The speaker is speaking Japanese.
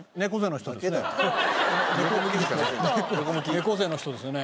猫背の人ですよね。